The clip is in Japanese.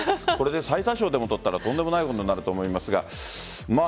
最多勝でも取ったらとんでもないことになると思いますが。